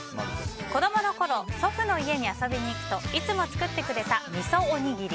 子供のころ祖父の家に遊びに行くといつも作ってくれたみそおにぎり。